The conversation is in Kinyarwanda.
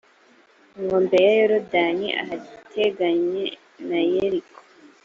inkombe ya yorudani ahateganye na yeriko.